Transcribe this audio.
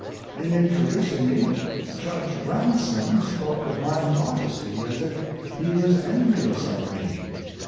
In introducing me, Judge Ransom spoke of my modesty as if he was envious of me.